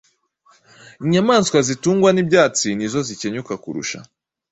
Inyamaswa zitungwa n’ibyatsi ni zo zikenyuka kurusha